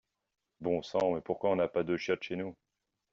Bon sang mais pourquoi on n'a pas deux chiottes chez nous!